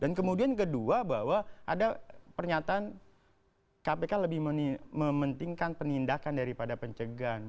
dan kemudian kedua bahwa ada pernyataan kpk lebih mementingkan penindakan daripada pencegahan